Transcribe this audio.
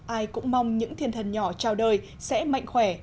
ai cũng mong những thiên thần nhỏ trao đời sẽ mạnh khỏe